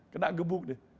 kena gebuk deh